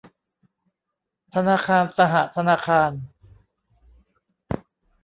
ธนาคารสหธนาคาร